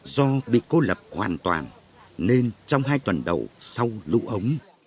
do bị cô lập hoàn toàn nên trong hai tuần đầu sau lũ ống